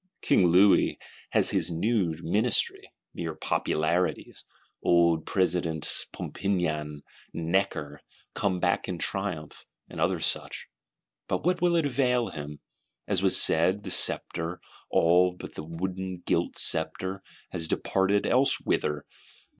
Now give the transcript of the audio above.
King Louis has his new Ministry: mere Popularities; Old President Pompignan; Necker, coming back in triumph; and other such. But what will it avail him? As was said, the sceptre, all but the wooden gilt sceptre, has departed elsewhither.